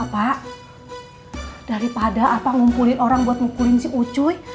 pak daripada ngumpulin orang buat ngumpulin si ucuy